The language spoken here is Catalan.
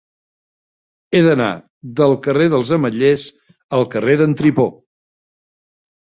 He d'anar del carrer dels Ametllers al carrer d'en Tripó.